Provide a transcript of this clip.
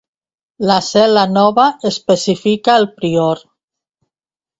La cel·la nova, especifica el prior.